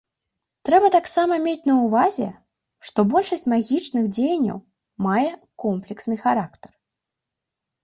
Трэба таксама мець на ўвазе, што большасць магічных дзеянняў мае комплексны характар.